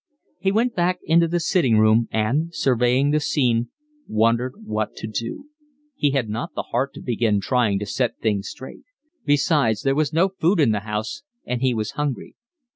He went back into the sitting room and, surveying the scene, wondered what to do; he had not the heart to begin trying to set things straight; besides there was no food in the house, and he was hungry.